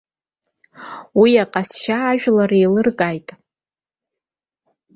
Уи аҟазшьа ажәлар еилыркааит.